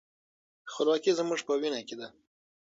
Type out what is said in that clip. خپلواکي زموږ په وینه کې ده.